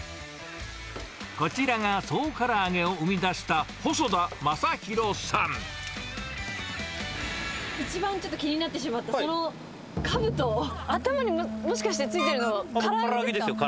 こちらがそうからあげを生み出した、一番ちょっと気になってしまったそのかぶと、頭に、もしかしてついてるのは、から揚げですか？